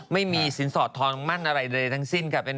ไม่มีศีลสอบถอนมั่งอะไรเลยทั้งสิ้นค่ะ